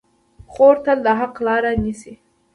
خور تل د حق لاره نیسي.